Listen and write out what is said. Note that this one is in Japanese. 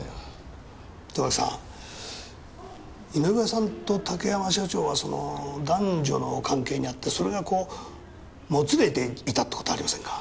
井上さんと竹山社長はその男女の関係にあってそれがこうもつれていたってことはありませんか？